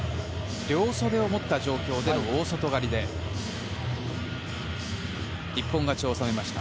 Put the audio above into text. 両袖を持った状態での大外刈りで一本勝ちを収めました。